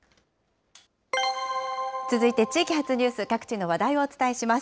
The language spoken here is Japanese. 続いて地域発ニュース、各地の話題をお伝えします。